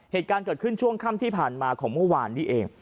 เหตุการณ์เกิดขึ้นช่วงค่ำที่ผ่านมาของเมื่อวานนี้เอง